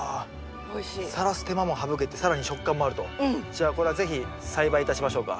じゃあこれは是非栽培いたしましょうか。